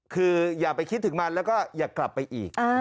คืออย่าไปคิดถึงมันแล้วก็อย่ากลับไปอีก